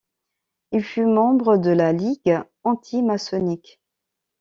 Il fut membre de la Ligue antimaçonnique.